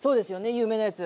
有名なやつ。